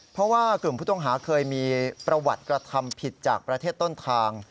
เพราะว่ากลุ่มผู้ต้องหาเคยมีประวัติกระทำผิดจากประเทศต้นทาง